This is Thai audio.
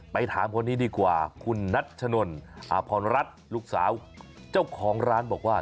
ถามคนนี้ดีกว่าคุณนัชนนอพรรัฐลูกสาวเจ้าของร้านบอกว่า